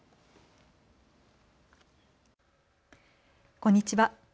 こんにちは。